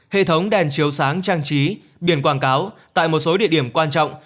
hệ thống đèn chiếu sáng trang trí biển quảng cáo tại một số địa điểm quan trọng